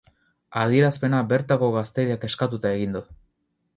Adierazpena bertako gazteriak eskatuta egin du.